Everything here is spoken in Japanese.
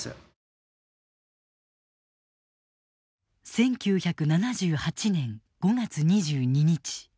１９７８年５月２２日。